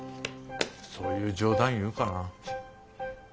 そういう冗談言うかな。